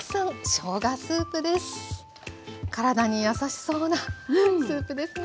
体に優しそうなスープですね。